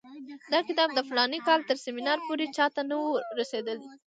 دا کتاب د فلاني کال تر سیمینار پورې چا ته نه وو رسېدلی.